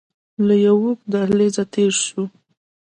له يوه اوږد دهليزه تېر سو.